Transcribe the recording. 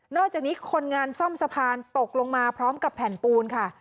อกจากนี้คนงานซ่อมสะพานตกลงมาพร้อมกับแผ่นปูนค่ะ